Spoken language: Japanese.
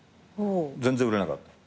全然売れなかった。